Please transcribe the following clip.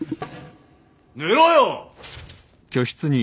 寝ろよ！